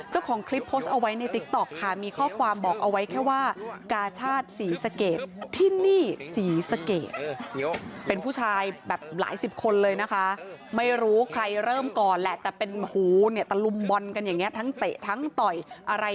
หล่อผู้ถูกกินอยู่หัวคนได้